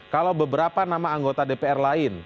kalau beberapa nama anggota dpr lain